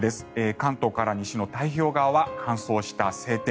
関東から西の太平洋側は乾燥した晴天。